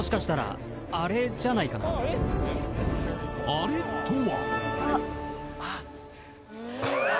あれとは？